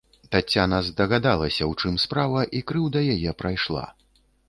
Таццяна здагадалася, у чым справа, і крыўда яе прайшла.